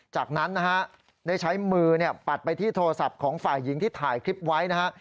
จากนั้นนะฮะได้ใช้มือปัดไปที่โทรศัพท์ของฝ่ายหญิงที่ถ่ายคลิปไว้นะฮะ